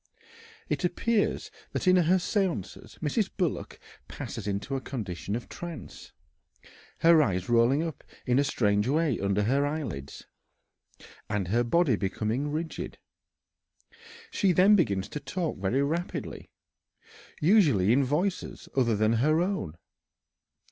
It appears that in her séances, Mrs. Bullock passes into a condition of trance, her eyes rolling up in a strange way under her eyelids, and her body becoming rigid. She then begins to talk very rapidly, usually in voices other than her own.